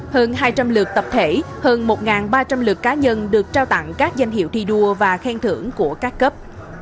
hơn hai trăm linh lượt tập thể hơn một ba trăm linh lượt cá nhân được trao tặng các danh hiệu thi đua và khen thưởng của các cấp